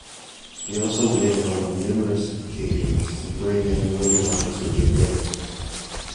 He also went out on numerous occasions to bring in wounded officers and men.